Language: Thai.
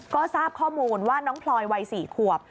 ก็ทราบข้อมูลว่าน้องพลอยวัย๔ขวบ